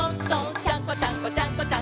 「ちゃんこちゃんこちゃんこちゃん